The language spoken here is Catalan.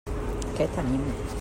Què tenim?